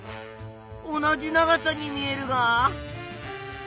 同じ長さに見えるが。